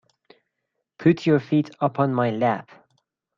Put your feet up on my lap.